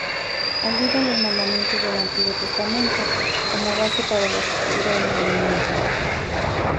Alude a los mandamientos del Antiguo Testamento, como base para la estructura del movimiento.